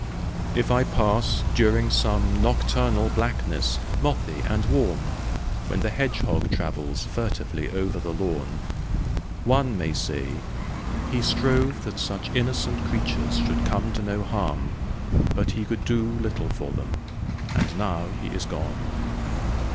If I pass during some nocturnal blackness, mothy and warm, When the hedgehog travels furtively over the lawn, One may say, "He strove that such innocent creatures should come to no harm, But he could do little for them; and now he is gone"?